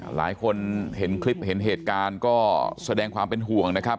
หลายคนเห็นคลิปเห็นเหตุการณ์ก็แสดงความเป็นห่วงนะครับ